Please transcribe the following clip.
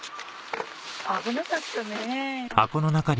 危なかったねぇ。